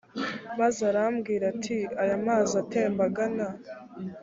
maze arambwira ati aya mazi atemba agana